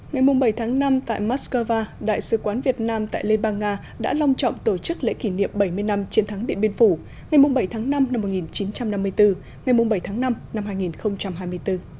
ngày bảy tháng năm tại moscow đại sứ quán việt nam tại liên bang nga đã long trọng tổ chức lễ kỷ niệm bảy mươi năm chiến thắng điện biên phủ ngày bảy tháng năm năm một nghìn chín trăm năm mươi bốn ngày bảy tháng năm năm hai nghìn hai mươi bốn